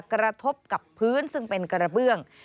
กระทบกับพื้นซึ่งเป็นกระเบื้อง